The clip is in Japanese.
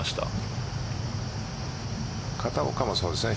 片岡もそうですね。